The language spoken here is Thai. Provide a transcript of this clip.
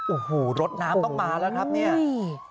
โอ้โหรถน้ำต้องมาแล้วครับเนี่ย